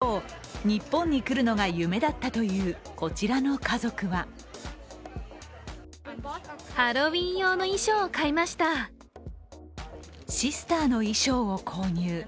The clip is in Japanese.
一方、日本に来るのが夢だったというこちらの家族はシスターの衣装を購入。